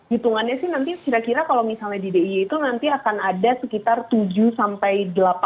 hitungannya sih nanti kira kira kalau misalnya di d i y itu nanti akan ada sekitar tujuh sampai delapan